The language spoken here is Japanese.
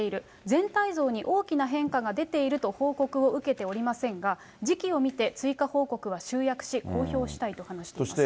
全体像に大きな変化が出ていると報告を受けておりませんが、時期を見て集約し、公表したいと話しています。